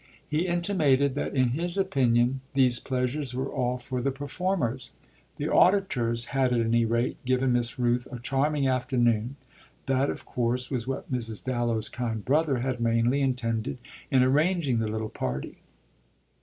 He intimated that in his opinion these pleasures were all for the performers. The auditors had at any rate given Miss Rooth a charming afternoon; that of course was what Mrs. Dallow's kind brother had mainly intended in arranging the little party.